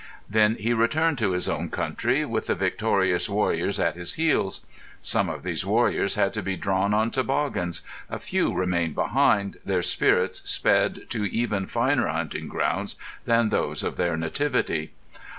Then he returned to his own country, with the victorious warriors at his heels. Some of these warriors had to be drawn on toboggans; a few remained behind, their spirits sped to even finer hunting grounds than those of their nativity.